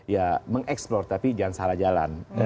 ya mengeksplor tapi jangan salah jalan